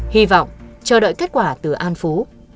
hy vọng chờ đợi kết quả từ an phú